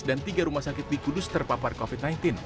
dan tiga rumah sakit di kudus terpapar covid sembilan belas